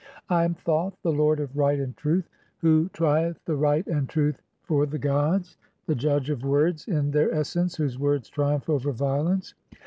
"I am [Thoth], the lord of right and truth, who trieth the "right and the truth for the gods, the judge of words in "their essence, whose words triumph over violence.